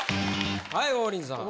はい王林さん。